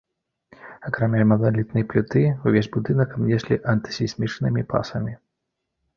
Акрамя маналітнай пліты, увесь будынак абнеслі антысейсмічнымі пасамі.